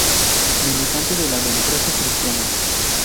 Militante de la Democracia Cristiana.